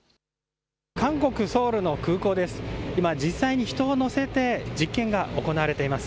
韓国・ソウルの空港です。